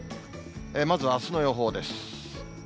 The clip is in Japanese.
まずあすの予報です。